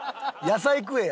野菜。